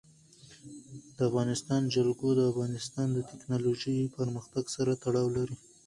د افغانستان جلکو د افغانستان د تکنالوژۍ پرمختګ سره تړاو لري.